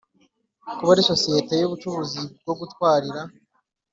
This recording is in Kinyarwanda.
Kuba ari sosiyete y ubucuruzi bwo gutwarira